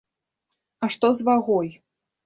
А што з вагой?